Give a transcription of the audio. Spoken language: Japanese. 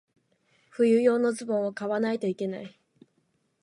冬用のズボンを買わないといけない。